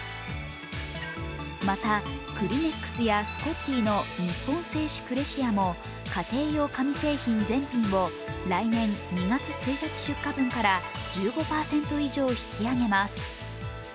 また、クリネックスやスコッティの日本製紙クレシアも家庭用紙製品全品を来年２月１日出荷分から１５％以上引き上げます。